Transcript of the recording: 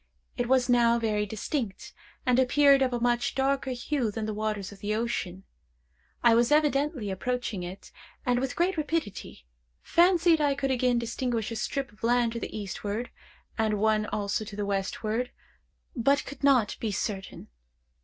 It was now very distinct, and appeared of a much darker hue than the waters of the ocean. I was evidently approaching it, and with great rapidity. Fancied I could again distinguish a strip of land to the eastward, and one also to the westward, but could not be certain.